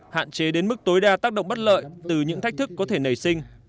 hạn chế đến mức tối đa tác động bất lợi từ những thách thức có thể nảy sinh